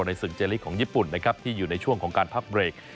ศึกเจลิกของญี่ปุ่นนะครับที่อยู่ในช่วงของการพักเบรก